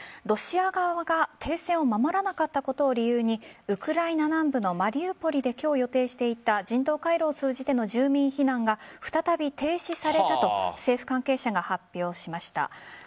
ロシア側が停戦を守らなかったことを理由にウクライナ南部のマリウポリで今日予定していた人道回廊を通じての住民避難が再び停止されたと政府関係者が発表しました。